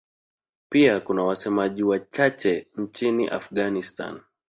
Pia kuna wasemaji wachache nchini Afghanistan.